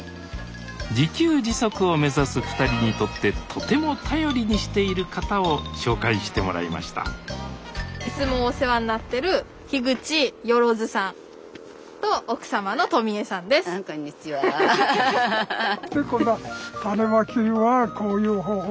自給自足を目指す２人にとってとても頼りにしている方を紹介してもらいましたいつもお世話になってるあこんにちは。